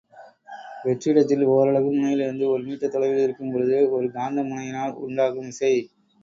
வெற்றிடத்தில் ஓரலகு முனையிலிருந்து ஒரு மீட்டர் தொலைவில் இருக்கும் பொழுது, ஒரு காந்த முனையினால் உண்டாகும் விசை.